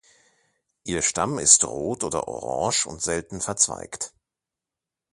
Ihr Stamm ist rot oder orange und selten verzweigt.